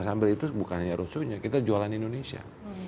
sambil itu bukan hanya roadshow nya kita jualan indonesia